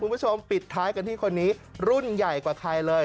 คุณผู้ชมปิดท้ายกันที่คนนี้รุ่นใหญ่กว่าใครเลย